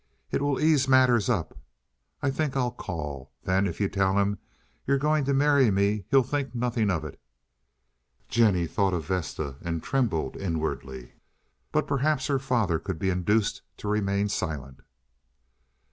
"It will ease matters up. I think I'll call. Then if you tell him you're going to marry me he'll think nothing of it." Jennie thought of Vesta, and trembled inwardly. But perhaps her father could be induced to remain silent.